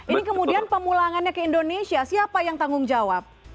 ini kemudian pemulangannya ke indonesia siapa yang tanggung jawab